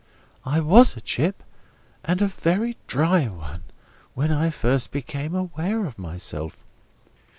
I was a chip—and a very dry one—when I first became aware of myself.